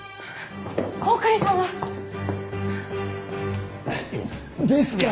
穂刈さんは？ですから！